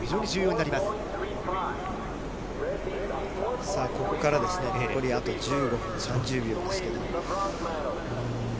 さあ、ここからあと残り１５分３０秒ですけど。